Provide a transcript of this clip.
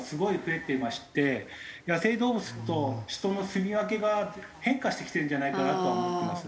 野生動物と人のすみ分けが変化してきてるんじゃないかなとは思ってます。